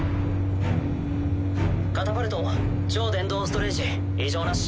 カタパルト超伝導ストレージ異常なし。